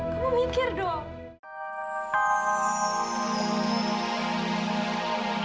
kamu mikir dong